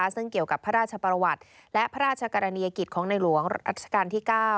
ซึ่งเกี่ยวกับพระราชประวัติและพระราชกรณียกิจของในหลวงรัชกาลที่๙